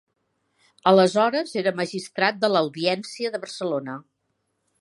Aleshores era magistrat de l'audiència de Barcelona.